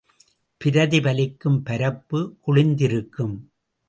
பிரதிபலிக்கும் பரப்பு குழிந்திருக்கும்.